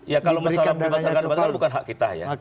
ya kalau misalkan dibatalkan batalkan bukan hak kita ya